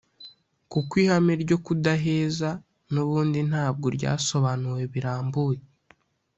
kuko ihame ryo kudaheza n’ubundi ntabwo ryasobanuwe birambuye